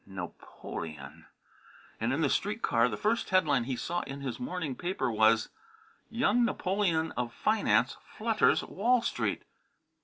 Napoleon! And in the street car the first headline he saw in his morning paper was, "Young Napoleon of Finance Flutters Wall Street!"